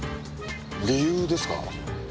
理由ですか？